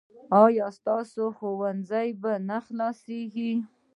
ایا ستاسو ښوونځی به نه خلاصیږي؟